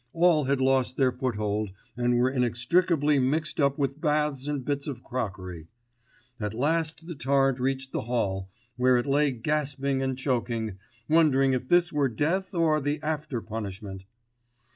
All had lost their foothold, and were inextricably mixed up with baths and bits of crockery. At last the torrent reached the hall, where it lay gasping and choking, wondering if this were death or the after punishment.